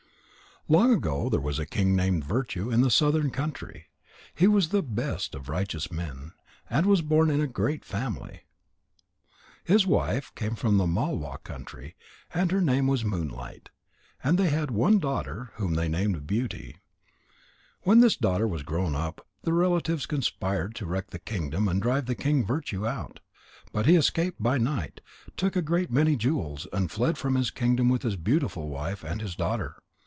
Long ago there was a king named Virtue in the southern country. He was the best of righteous men, and was born in a great family. His wife came from the Malwa country, and her name was Moonlight. And they had one daughter, whom they named Beauty. When this daughter was grown up, the relatives conspired to wreck the kingdom and drive King Virtue out. But he escaped by night, took a great many jewels, and fled from his kingdom with his beautiful wife and his daughter.